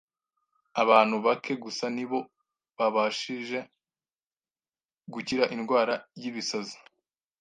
Abantu bake gusa nibo babashije gukira indwara y’ ibisazi